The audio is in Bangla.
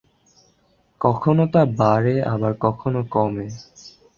কখনো তা বাড়ে আবার কখনো কমে।